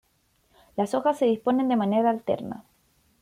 Las hojas se disponen de manera alterna.